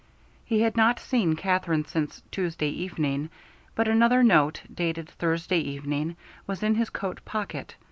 He had not seen Katherine since Tuesday evening, but another note, dated Thursday evening, was in his coat pocket.